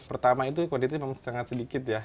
pertama itu kualitasnya memang sedikit ya